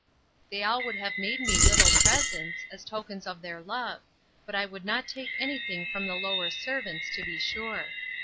They all would have made me little presents, as tokens of their love; but I would not take any thing from the lower servants, to be sure.